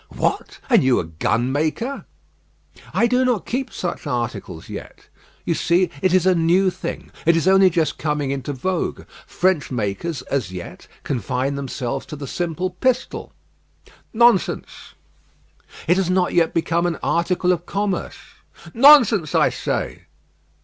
"What! and you a gunmaker!" "I do not keep such articles yet. You see, it is a new thing. It is only just coming into vogue. French makers, as yet, confine themselves to the simple pistol." "Nonsense." "It has not yet become an article of commerce." "Nonsense, I say."